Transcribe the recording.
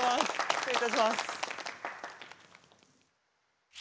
失礼いたします。